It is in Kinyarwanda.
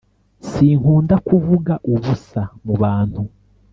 sinkunda kuvuga ubusa mubantu